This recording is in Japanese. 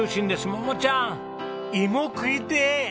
桃ちゃん芋食いてえ！